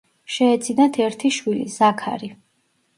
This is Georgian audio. შეეძინათ ერთი შვილი ზაქარი.